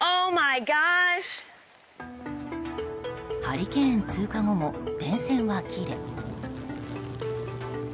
ハリケーン通過後も電線は切れ。